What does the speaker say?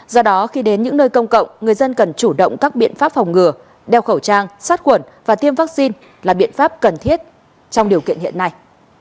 do đó khi đến những nơi công cộng người dân cần chủ động các biện pháp phòng ngừa đeo khẩu trang sát khuẩn và tiêm vaccine là biện pháp cần thiết trong điều kiện hiện nay